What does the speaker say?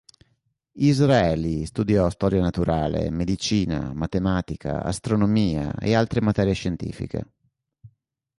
Israeli studiò storia naturale, medicina, matematica, astronomia e altre materie scientifiche.